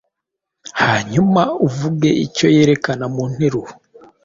hanyuma uvuge icyo yerekana mu nteruro.